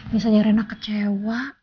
misalnya rena kecewa